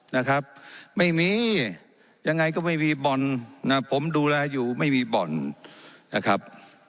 นะครับไม่มียังไงก็ไม่มีบ่อนนะผมดูแลอยู่ไม่มีบ่อนนะครับ